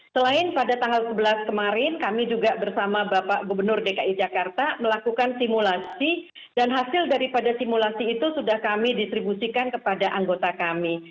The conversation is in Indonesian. selain pada tanggal sebelas kemarin kami juga bersama bapak gubernur dki jakarta melakukan simulasi dan hasil daripada simulasi itu sudah kami distribusikan kepada anggota kami